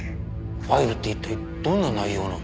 ファイルって一体どんな内容の。